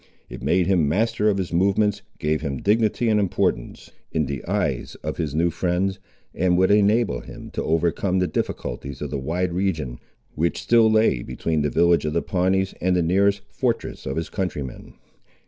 It made him master of his movements, gave him dignity and importance in the eyes of his new friends, and would enable him to overcome the difficulties of the wide region which still lay between the village of the Pawnees and the nearest fortress of his countrymen.